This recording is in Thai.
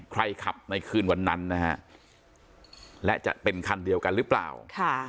ขับในคืนวันนั้นนะฮะและจะเป็นคันเดียวกันหรือเปล่าค่ะ